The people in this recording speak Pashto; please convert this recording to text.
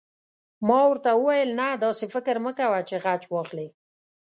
ما ورته وویل: نه، داسې فکر مه کوه چې غچ واخلې.